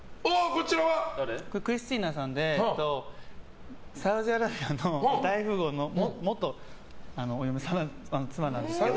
こちらはクリスティーナさんでサウジアラビアの大富豪の元妻なんですけど。